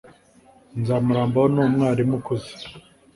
nzamurambaho ni umwarimu ukuze